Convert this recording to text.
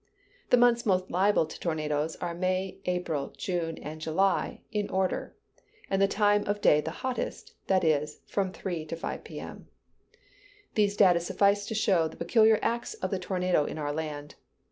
The months most liable to tornadoes are May, April, June, and July, in order; and the time of day the hottest; that is, from 3 to 5 P.M. These data suffice to show the peculiar acts of the tornado in our land.